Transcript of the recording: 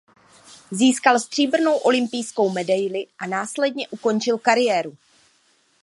Získal stříbrnou olympijskou medaili a následně ukončil kariéru.